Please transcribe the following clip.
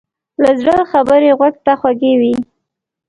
له زړه خبرې غوږ ته خوږې وي.